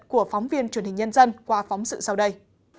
của phóng viên truyền hình nhân dân qua phóng sự sau đây